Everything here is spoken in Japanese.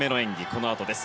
このあとです。